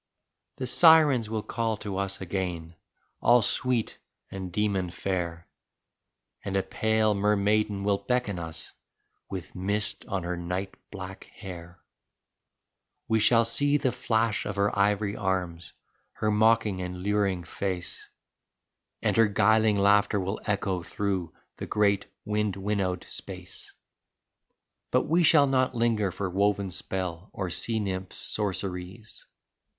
The sirens will call to us again, all sweet and demon fair. And a pale mermaiden will beckon us, with mist on her night black hair; We shall see the flash of her ivory arms, her mocking and luring face, And her guiling laughter will echo through the great, wind winnowed space. But we shall not linger for woven spell, or sea nymph's sorceries.